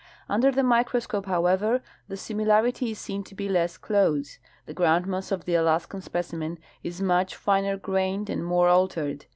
* Under the microscope, however, the simi larity is seen to be less close. The groundmass of the Alaskan specimen is much finer grained and more altered.